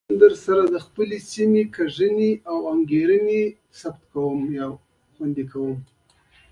موږ مخکې هم د دې فورمول یادونه کړې وه